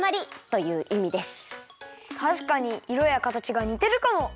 たしかにいろやかたちがにてるかも！